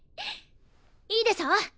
いいでしょ？